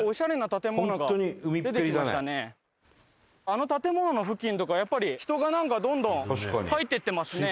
あの建物の付近とかやっぱり人がなんかどんどん入っていってますね。